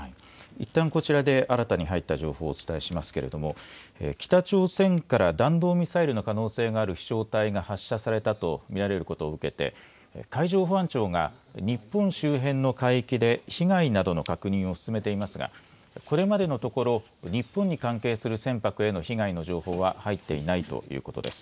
いったんこちらで新たに入った情報をお伝えしますが北朝鮮から弾道ミサイルの可能性がある飛しょう体が発射されたと見られることを受けて海上保安庁が日本周辺の海域で被害などの確認を進めていますが被害の情報は入っていないということです。